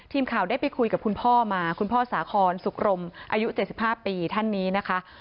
ทีมข่าวได้ไปคุยกับคุณพ่อมาคุณพ่อสาคอนสุกรมอายุ๗๕ปีท่านนี้นะคะ